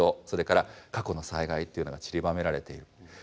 それから過去の災害というのがちりばめられている。